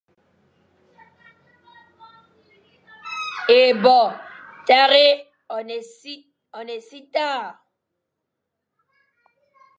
E bo tare on ésitar.